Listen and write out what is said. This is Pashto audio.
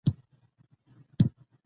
پښتو د افغانستان اکثريت ژبه ده.